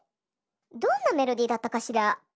どんなメロディーだったかしら？